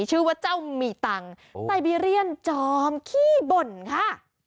ชื่อว่าเจ้ามีตังค์ไซบีเรียนจอมขี้บ่นค่ะ